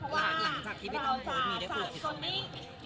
หลังจากที่พี่ต้องโพสมีได้คุยกับพี่ต้องไหม